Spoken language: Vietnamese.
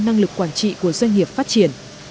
năng lực quản trị của doanh nghiệp phát triển